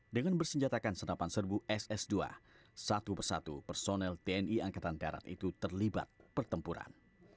dengan bersenjatakan senapan serbu ss dua satu persatu personel tni angkatan darat itu terlibat pertempuran